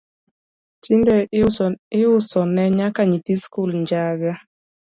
Tinde iusone nyaka nyithii sikul njaga